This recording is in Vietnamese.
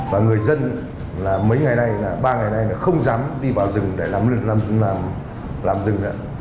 và người dân là mấy ngày nay ba ngày nay không dám đi vào rừng để làm rừng